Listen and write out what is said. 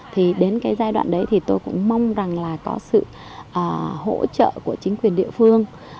thì đến cái giai đoạn đấy thì tôi cũng mong rằng là có sự hỗ trợ của chính quyền địa phương